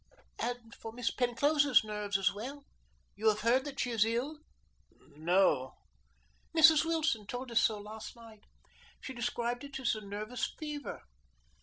"And for Miss Penclosa's nerves as well. You have heard that she is ill?" "No." "Mrs. Wilson told us so last night. She described it as a nervous fever.